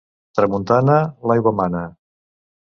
Tramuntana, l'aigua mana.